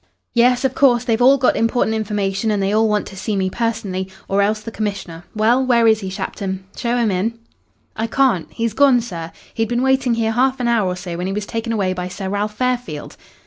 "Yes, of course. They've all got important information, and they all want to see me personally or else the Commissioner. Well, where is he, Shapton? Show him in." "I can't. He's gone, sir. He'd been waiting here half an hour or so when he was taken away by Sir Ralph Fairfield."